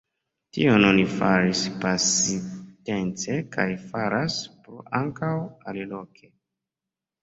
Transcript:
Tion oni faris pasintece kaj faras plu ankaŭ aliloke.